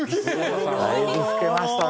だいぶ老けましたね